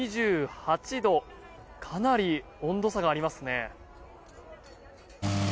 かなり温度差がありますね。